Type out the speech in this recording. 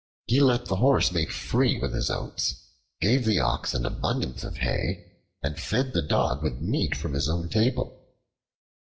He let the Horse make free with his oats, gave the Ox an abundance of hay, and fed the Dog with meat from his own table.